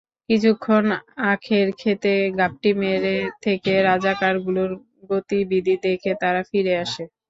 কিছুক্ষণ আখের খেতে ঘাপটি মেরে থেকে রাজাকারগুলোর গতিবিধি দেখে তারা ফিরে আসে।